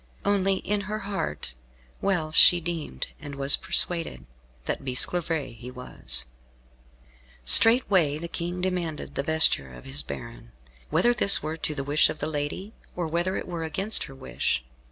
Only, in her heart, well she deemed and was persuaded, that Bisclavaret was he. Straightway the King demanded the vesture of his baron, whether this were to the wish of the lady, or whether it were against her wish.